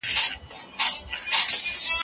دا د لښتې او انارګل د پخوانۍ مینې کیسه وه.